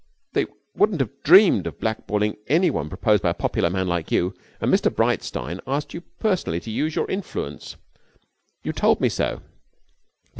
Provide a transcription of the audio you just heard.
They wouldn't have dreamed of blackballing any one proposed by a popular man like you, and Mr Breitstein asked you personally to use your influence you told me so.'